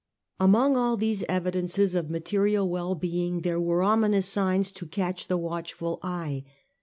Among all these evidences of material well being there were ominous signs to catch the watchful eye.